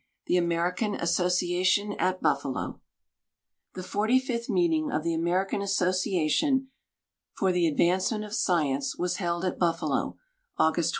THE AMERICAN ASSOCIATION AT BUFFALO The forty fifth meeting of the American Association for the Advance ment of Science was held at Buffalo, August 22 29.